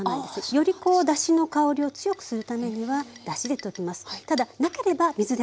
よりこうだしの香りを強くするためにはだしで溶きます。